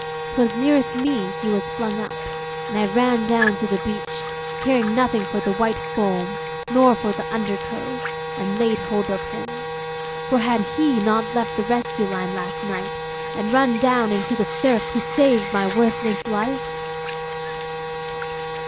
'Twas nearest me he was flung up, and I ran down the beach, caring nothing for the white foam, nor for the under tow, and laid hold of him: for had he not left the rescue line last night, and run down into the surf to save my worthless life?